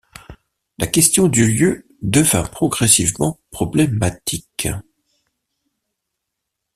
La question du lieu devint progressivement problématique.